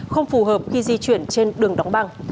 không phù hợp khi di chuyển trên đường đóng băng